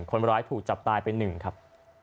คนวันล้ายถูกจับตายเป็นนึงครับ